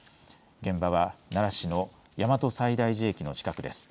現場は奈良市の大和西大寺駅の近くです。